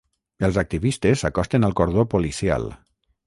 Els activistes s'acosten al cordó policial.